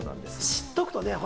知っておくとね。